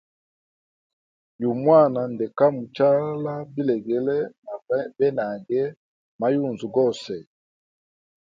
Yugu mwana ndeka muchala bilegele na benage ma yunzu gose.